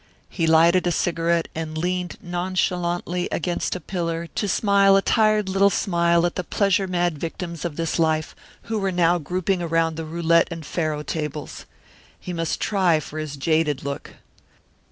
He lighted a cigarette and leaned nonchalantly against a pillar to smile a tired little smile at the pleasure mad victims of this life who were now grouping around the roulette and faro tables. He must try for his jaded look.